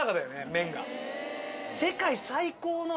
麺が。